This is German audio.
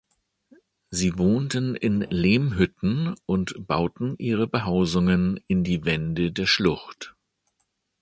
Sie wohnten in Lehmhütten und bauten ihre Behausungen in die Wände der Schlucht.